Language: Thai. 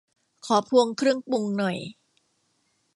ขอพวงเครื่องปรุงหน่อย